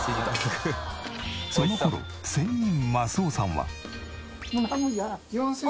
その頃仙人益男さんは。